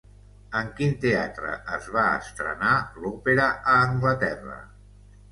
En quin teatre es va estrenar l'òpera a Anglaterra?